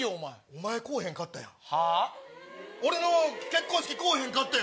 おまえはこうへんかったやん。